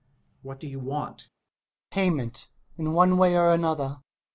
What do you want? Hummel. Payment — ^in one way or another.